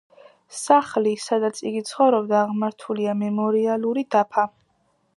სახლი, სადაც იგი ცხოვრობდა აღმართულია მემორიალური დაფა.